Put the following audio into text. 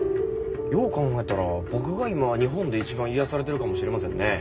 よう考えたら僕が今日本で一番癒やされてるかもしれませんね。